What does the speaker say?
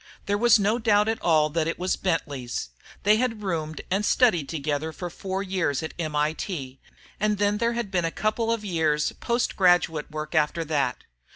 There was no doubt at all that it was Bentley's. They had roomed and studied together for four years at MIT, and then there had been a couple of years' post graduate work after that.